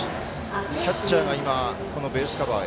キャッチャーが今ベースカバーへ。